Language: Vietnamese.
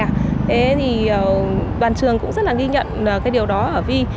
thế thì đoàn trường cũng rất là ghi nhận cái điều đó ở vi